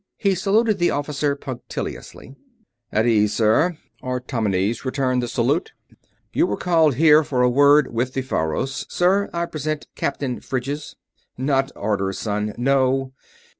He saluted the Officer punctiliously. "At ease, sir." Artomenes returned the salute. "You were called here for a word from the Faros. Sir, I present Captain Phryges." "Not orders, son ... no."